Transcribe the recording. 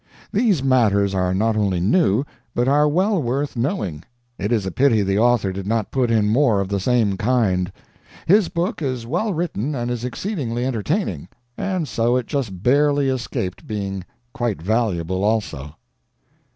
These matters are not only new, but are well worth knowing. It is a pity the author did not put in more of the same kind. His book is well written and is exceedingly entertaining, and so it just barely escaped being quite valuable also.